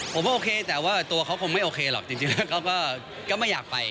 โอเคแต่ว่าตัวเขาคงไม่โอเคหรอกจริงแล้วเขาก็ไม่อยากไป